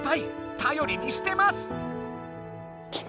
たよりにしてます！